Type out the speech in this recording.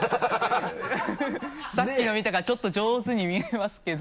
さっきの見たからちょっと上手に見えますけど。